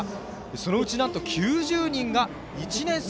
そのうち、なんと９０人が１年生。